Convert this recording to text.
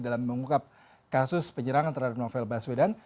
dalam mengungkap kasus penyerangan terhadap novel baswedan